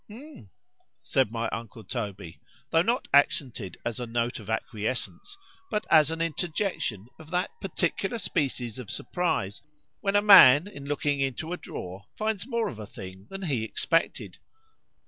_——Humph!—said my uncle Toby; tho' not accented as a note of acquiescence,—but as an interjection of that particular species of surprize, when a man in looking into a drawer, finds more of a thing than he expected.